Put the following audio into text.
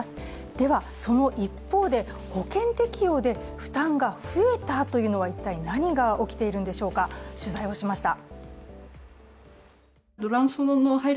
では、その一方で、保険適用で負担が増えたというのは一体何が起きているんでしょうか取材をしました。